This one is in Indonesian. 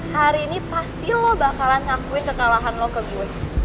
hari ini pasti lo bakalan ngakuin kekalahan lo ke gue